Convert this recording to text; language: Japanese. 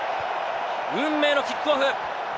運命のキックオフ。